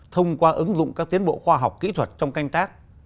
thông qua ứng dụng các tiến bộ khoa học kỹ thuật trong canh tác